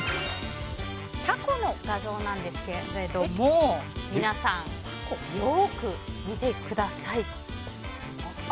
タコの画像なんですけれども皆さん、よく見てください。